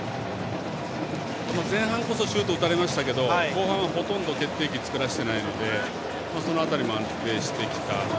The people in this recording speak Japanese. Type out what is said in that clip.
前半こそシュート打たれましたが後半はほとんど決定機作らせてないのでその辺りも安定してきた。